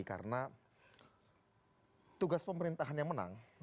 karena tugas pemerintahan yang menang